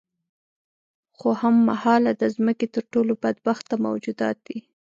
خو هم مهاله د ځمکې تر ټولو بدبخته موجودات دي.